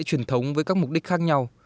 truyền thống với các mục đích khác nhau